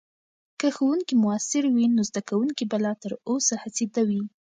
که ښوونکې مؤثرې وي، نو زدکونکي به لا تر اوسه هڅیده وي.